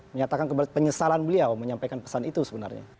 menyatakan penyesalan beliau menyampaikan pesan itu sebenarnya